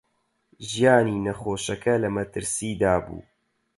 ژیانی نەخۆشەکە لە مەترسیدا بوو.